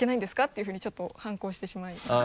ていうふうにちょっと反抗してしまいました。